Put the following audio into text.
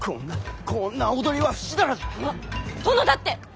殿だって！